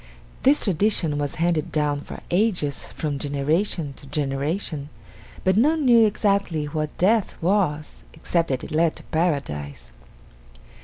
This tradition was handed down for ages from generation to generation but none knew exactly what death was except that it led to Paradise.